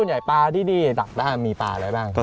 ส่วนใหญ่ปลาที่นี่ดักด้านมีปลาอะไรบ้างครับ